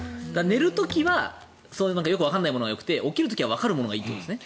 寝る時はよくわからないものがよくて起きる時はわかるものがいいということですね。